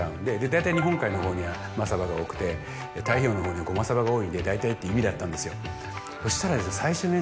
大体日本海のほうにはマサバが多くて太平洋のほうにはゴマサバが多いんで大体っていう意味だったんですよ。